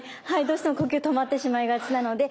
どうしても呼吸止まってしまいがちなので。